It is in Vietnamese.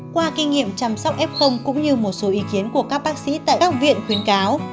qua kinh nghiệm chăm sóc f cũng như một số ý kiến của các bác sĩ tại các viện khuyến cáo